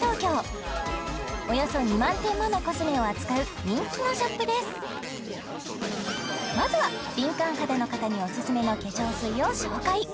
およそ２万点ものコスメを扱う人気のショップですまずは敏感肌の方におすすめの化粧水を紹介